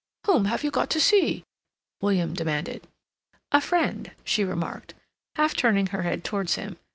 "Whom have you got to see?" William demanded. "A friend," she remarked, half turning her head towards him.